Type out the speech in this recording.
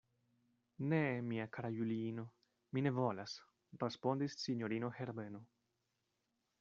Ne, mia kara Juliino, mi ne volas, respondis sinjorino Herbeno.